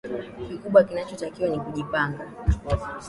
kikubwa kinachotakiwa ni kujipanga